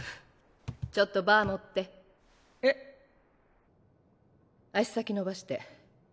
ちょっとバー持って足先伸ばして。